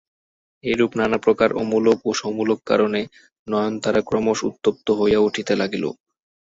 এইরূপ নানাপ্রকার অমূলক ও সমূলক কারণে নয়নতারা ক্রমশ উত্তপ্ত হইয়া উঠিতে লাগিল।